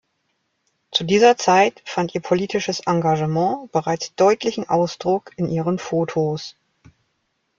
Zu dieser Zeit fand ihr politisches Engagement bereits deutlichen Ausdruck in ihren Fotos.